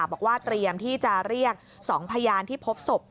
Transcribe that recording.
บอกว่าเตรียมที่จะเรียก๒พยานที่พบศพ